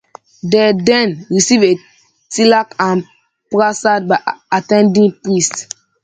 They then receive a tilak and prasad by the attending priest.